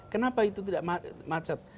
kenapa itu tidak macet